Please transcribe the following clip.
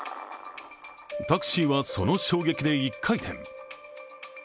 タクシーはその衝撃で１回転。